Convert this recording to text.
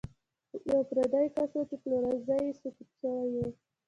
یو پردی کس و چې پلورنځی یې سقوط شوی و.